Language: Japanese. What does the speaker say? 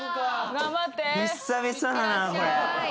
久々だなこれ。